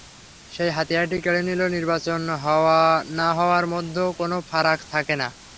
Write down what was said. সেই হাতিয়ারটি কেড়ে নিলে নির্বাচন হওয়া না-হওয়ার মধ্যে কোনো ফারাক থাকে না।